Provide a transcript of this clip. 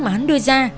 mà hắn đưa ra